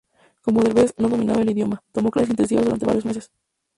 Como Derbez no dominaba el idioma, tomó clases intensivas durante varios meses.